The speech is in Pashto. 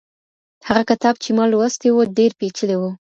هغه کتاب چي ما لوستی و، ډېر پېچلی و.